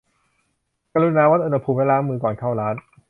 กรุณาวัดอุณหภูมิและล้างมือก่อนเข้าร้าน